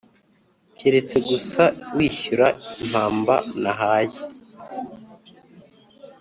Keretse gusa wishyura impamba nahaye